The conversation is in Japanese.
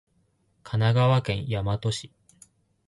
神奈川県大和市